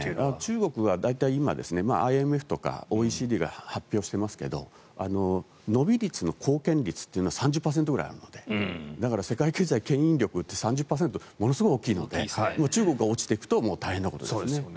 中国は大体、今、ＩＭＦとかＯＥＣＤが発表していますが伸び率の貢献率というのは３０％ぐらいあるのでだから、世界経済のけん引力って３０％、ものすごい大きいので中国が落ちていくと大変なことですね。